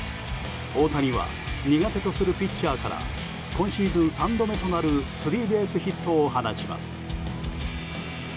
大谷は苦手とするピッチャーから今シーズン３度目となるスリーベースヒットを放ちます。